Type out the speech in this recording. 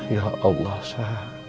ya allah sa